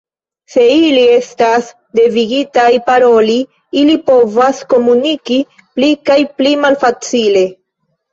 Se ili estas devigitaj paroli, ili povas komuniki pli kaj pli malfacile.